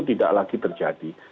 tidak lagi terjadi